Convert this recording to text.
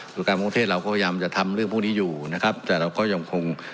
ส่วนการกรุงเทพเราก็พยายามจะทำเรื่องพวกนี้อยู่นะครับแต่เราก็ยังคง